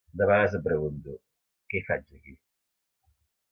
De vegades em pregunto; que hi faig, aquí?